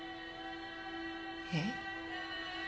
えっ？